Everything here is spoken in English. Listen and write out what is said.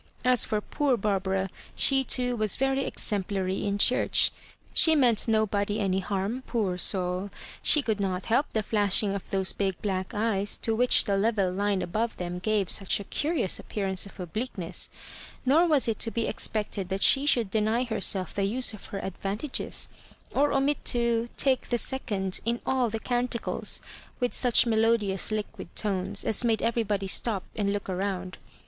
As for poor Barbara, she too was very exemplary in church. She meant nobody any harm, poor souL She could not help the flashing of those big black eyes, to which the level line above them gave such a curious ap pearance of obliqueness — ^nor was it to be ex pected that die should deny herself the use of her advanteges, or omit to "take the second" in all the canticles with such melodious liquid tones as made everybody stop and look round.